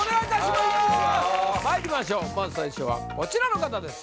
まず最初はこちらの方です